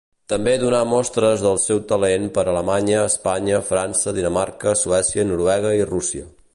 També donà mostres del seu talent per Alemanya, Espanya, França, Dinamarca, Suècia, Noruega i Rússia.